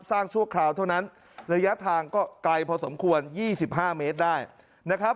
ชั่วคราวเท่านั้นระยะทางก็ไกลพอสมควร๒๕เมตรได้นะครับ